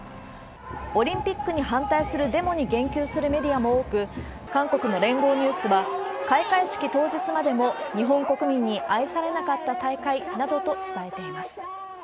オリンピックに反対するデモに言及するメディアも多く、韓国の聯合ニュースは、開会式当日までも、日本国民に愛されなかった大会などと伝えています。